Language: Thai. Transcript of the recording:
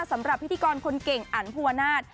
สำหรับพิธีกรคนเก่งอันภูวนาศ